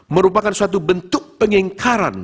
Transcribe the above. merupakan suatu bentuk pengingkaran